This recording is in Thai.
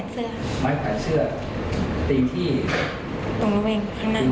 ช่วง